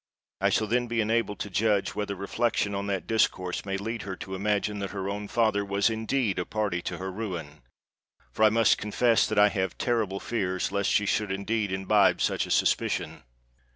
I shall then be enabled to judge whether reflection on that discourse may lead her to imagine that her own father was indeed a party to her ruin; for I must confess that I have terrible fears lest she should indeed imbibe such a suspicion."